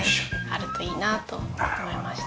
あるといいなと思いました。